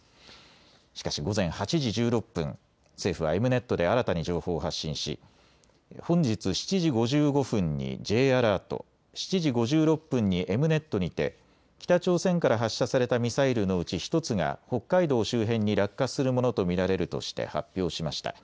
しかし午前８時１６分、政府はエムネットで新たに情報を発信し本日７時５５分にＪアラート、７時５６分にエムネットにて北朝鮮から発射されたミサイルのうち１つが北海道周辺に落下するものと見られるとして発表しました。